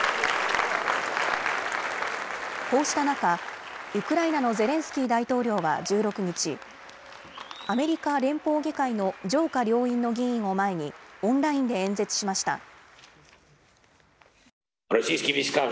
こうした中ウクライナのゼレンスキー大統領は１６日アメリカ連邦議会の上下両院の議員を前にオンラインで演説しました。